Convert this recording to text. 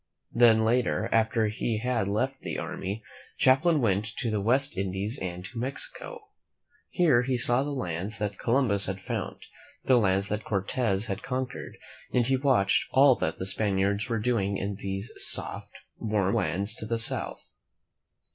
Then later, after he had left the army, Cham plain went to the West Indies and to Mexico. Here he saw the lands that Columbus had found, the lands that Cortez had conquered, and he watched all that the Spaniards were doing in these soft, warm lands to the south.